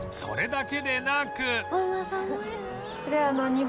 それだけでなく